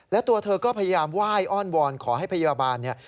และตัวเธอก็พยายามไหว้อ้อนวอนขอให้พยาบาลเนี่ย